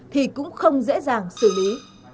thì cũng không dễ dàng xử lý